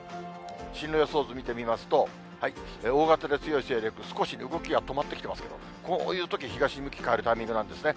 進路予想図見てみますと、大型で強い勢力、少し動きが止まってきてますけど、こういうとき、東向きに変わるタイミングなんですね。